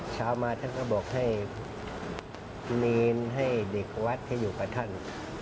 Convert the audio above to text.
เช้ามาท่านก็บอกให้เนรให้เด็กวัดให้อยู่กับท่าน